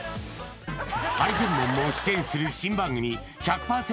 ハリセンボンも出演する新番組「１００％！